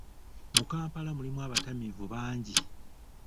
Mu Kampala mulimu abatamiivu bangi.